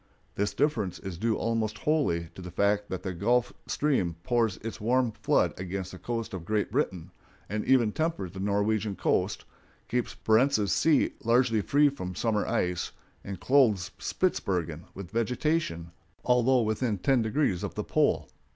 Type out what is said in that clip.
This difference is due almost wholly to the fact that the Gulf Stream pours its warm flood against the coast of Great Britain, and even tempers the Norwegian coast, keeps Barentz's Sea largely free from summer ice, and clothes Spitzbergen with vegetation, although within ten degrees of the pole.